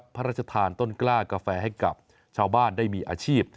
พระราชทานต้นกล้ากาแฟให้กับชาวบ้านได้มีอาชีพ